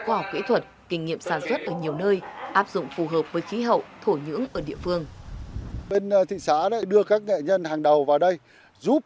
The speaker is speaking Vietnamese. khoa học kỹ thuật kinh nghiệm sản xuất ở nhiều nơi áp dụng phù hợp với khí hậu thổ nhưỡng ở địa phương